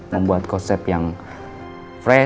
membuat konsep yang fresh